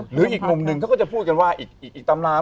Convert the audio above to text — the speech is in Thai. อีกมุมหนึ่งเขาก็จะพูดกันว่าอีกตำรา